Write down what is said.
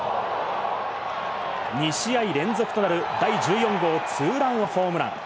２試合連続となる第１４号ツーランホームラン。